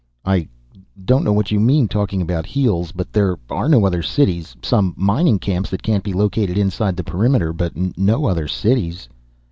"I don't know what you mean talking about heels. But there are no other cities. Some mining camps that can't be located inside the perimeter. But no other cities."